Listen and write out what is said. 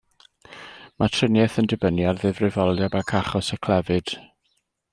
Mae triniaeth yn dibynnu ar ddifrifoldeb ac achos y clefyd.